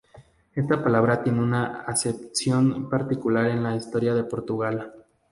Esta palabra tiene una acepción particular en la historia de Portugal.